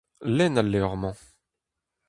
Lenn al levr-mañ !